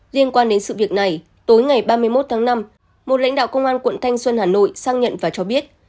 liên quan đến sự việc này tối ngày ba mươi một tháng năm một lãnh đạo công an quận thanh xuân hà nội sang nhận và cho biết